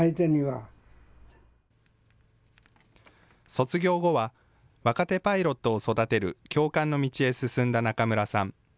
卒業後は、若手パイロットを育てる教官の道へ進んだ中村さん。